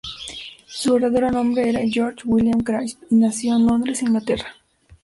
Su verdadero nombre era George William Crisp, y nació en Londres, Inglaterra.